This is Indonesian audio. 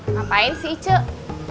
ngapain sih icuk